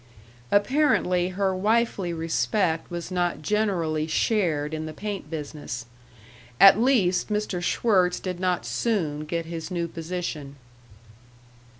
Apparently her wifely respect was not generally shared in the paint business. At least Mr. Schwirtz did not soon get his new position.